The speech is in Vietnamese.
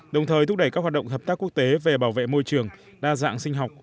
đồng thời thúc đẩy các hoạt động hợp tác quốc tế về bảo vệ môi trường đa dạng sinh học